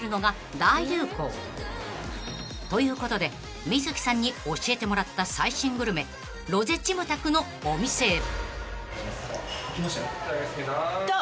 ［ということでＭｉｚｕｋｉさんに教えてもらった最新グルメロゼチムタクのお店へ］